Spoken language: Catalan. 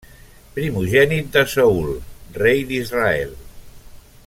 Primogènit de Saül, rei d'Israel.